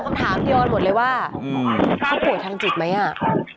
คำถามเดียวกันหมดเลยว่าเขาป่วยทางจิตไหมอ่ะ